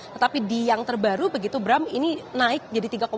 tetapi di yang terbaru begitu bram ini naik jadi tiga empat